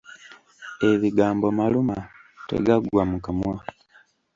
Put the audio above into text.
Ebigambo maluma tegaggwa mu kamwa.